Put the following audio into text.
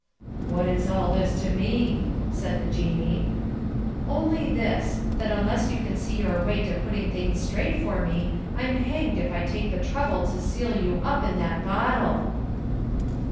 "What is all this to me?" said the Jinnee. "Only this that unless you can see your way to putting things straight for me, I'm hanged if I take the trouble to seal you up in that bottle!"